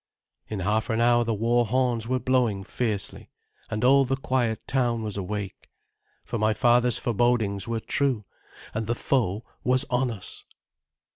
In half an hour the war horns were blowing fiercely, and all the quiet town was awake, for my father's forebodings were true, and the foe was on us.